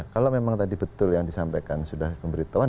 kalau memang tadi betul yang disampaikan sudah pemberitahuan